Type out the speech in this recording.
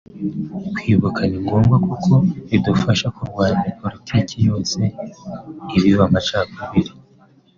Kwibuka ni ngombwa kuko bidufasha kurwanya politiki yose ibiba amacakubiri